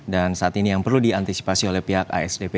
dan saat ini yang perlu diantisipasi oleh pihak asdp